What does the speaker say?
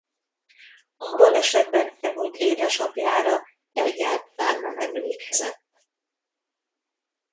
A balesetben elhunyt édesapjára egyáltalán nem emlékezett.